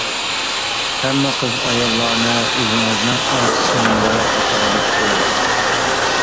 ھەممە قىز ئاياللارنى ئۆزىڭىزنىڭ ئاچا-سىڭىللىرى قاتارىدا كۆرەڭ!